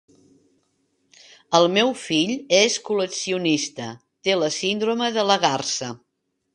El meu fill és col·leccionista: té la síndrome de la garsa.